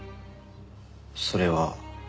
それは。